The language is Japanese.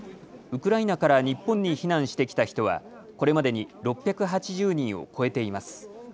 ウクライナから日本に避難してきた人はこれまでに６８０人を超えています。